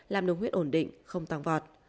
làm đường huyết ổn định không tăng vọt